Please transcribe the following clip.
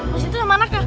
masih itu sama anaknya